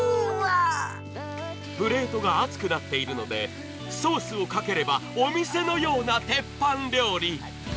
プレートが熱くなっているので、ソースをかければお店のような鉄板料理。